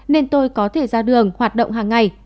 nên tôi có thể ra đường hoạt động hàng ngày